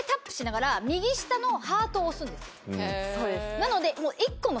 なので。